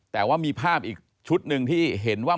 แต่ว่ามีภาพอีกชุดหนึ่งที่เห็นว่า